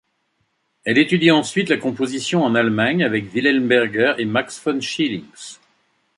Elle étudie ensuite la composition en Allemagne avec Wilhelm Berger et Max von Schillings.